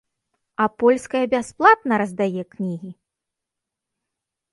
А польская бясплатна раздае кнігі!